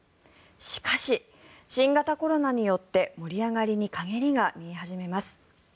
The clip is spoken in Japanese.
しかし、新型コロナによって盛り上がりに陰りが見え始めます。